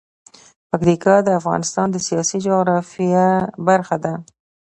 پکتیا د افغانستان د سیاسي جغرافیه برخه ده.